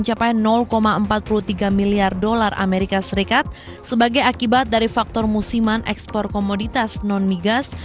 harga penduduk indonesia sudah mencapai empat puluh tiga milyar dollar amerika serikat sebagai akibat dari faktor musiman ekspor komoditas non migas